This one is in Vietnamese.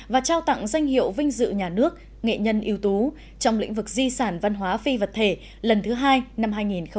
và trao tặng danh hiệu vinh dự nhà nước nghệ nhân yếu tố trong lĩnh vực di sản văn hóa phi vật thể lần thứ hai năm hai nghìn một mươi chín